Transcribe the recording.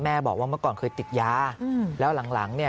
แม่บอกว่าเมื่อก่อนเคยติดยาแล้วหลังนี่